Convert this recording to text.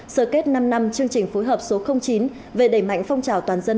sở kết năm năm chương trình phối hợp số chín về đẩy mạnh phong trào toàn dân